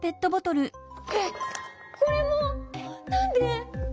えっこれも！何で！？